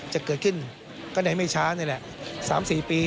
จะเกิดขึ้นก็ในไม่ช้านี่แหละ๓๔ปี